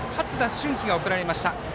駿己が送られました。